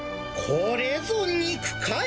これぞ肉塊。